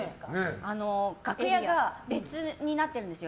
楽屋が別になっているんですよ。